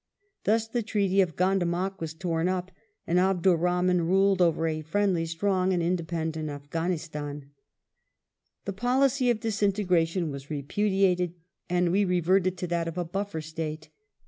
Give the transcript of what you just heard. Thus the Treaty of Gandamak was torn up, and Abdur Rahman ruled over " a friendly, strong, and independent Afghanistan '\ The policy of disintegration was repudiated, and we reverted to that of a buffer State.